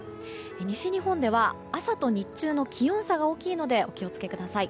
西日本では朝と日中の気温差が大きいのでお気を付けください。